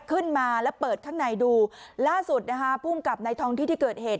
ขึ้นมาแล้วเปิดข้างในดูล่าสุดนะคะภูมิกับในท้องที่ที่เกิดเหตุ